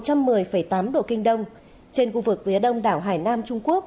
trên vùng biển phía bắc quần đảo hoàng sa và phía đông đảo hải nam trung quốc